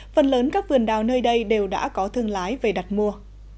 phần lớn các vườn đào nơi đây đều đã có thương lái về đặt mua